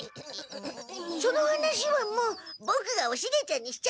その話はもうボクがおシゲちゃんにしちゃったよ。